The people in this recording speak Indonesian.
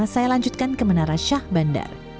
saya lanjutkan ke menara syah bandar